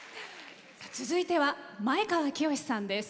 続いては前川清さんです。